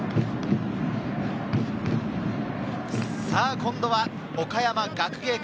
さぁ今度は岡山学芸館。